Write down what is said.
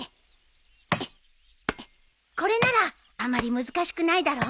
これならあまり難しくないだろ？